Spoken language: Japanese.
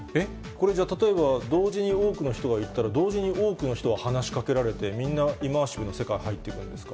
じゃあ、これ例えば、同時に多くの人が行ったら、同時に多くの人が話しかけられて、みんなイマーシブの世界に入っていくんですか？